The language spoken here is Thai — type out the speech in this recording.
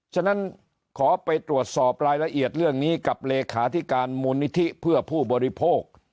ฉะนั้นขอไปตรวจสอบรายละเอียดเรื่องนี้กับเลขาธิการมูลนิธิเพื่อผู้บริโภค